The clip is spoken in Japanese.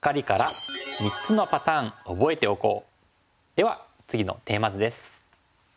では次のテーマ図です。